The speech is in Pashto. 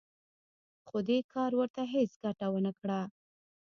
خو دې کار ورته هېڅ ګټه ونه کړه